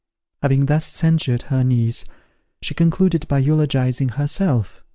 Having thus censured her niece, she concluded by eulogizing herself.